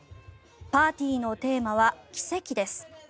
パーティーのテーマは奇跡です。